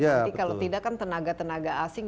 jadi kalau tidak kan tenaga tenaga asing